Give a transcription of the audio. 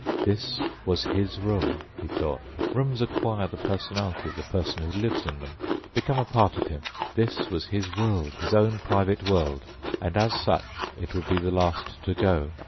This was his room, he thought. Rooms acquire the personality of the person who lives in them, become a part of him. This was his world, his own private world, and as such it would be the last to go.